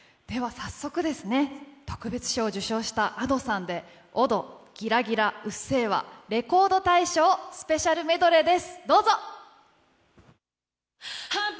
早速、特別賞を受賞したＡｄｏさんで「踊」「ギラギラ」「うっせぇわ」、レコード大賞スペシャルメドレーです。